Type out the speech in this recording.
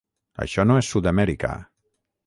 això no és sud-amèrica